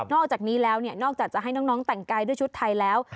อกจากนี้แล้วนอกจากจะให้น้องแต่งกายด้วยชุดไทยแล้ว